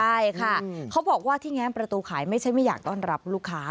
ใช่ค่ะเขาบอกว่าที่แง้มประตูขายไม่ใช่ไม่อยากต้อนรับลูกค้า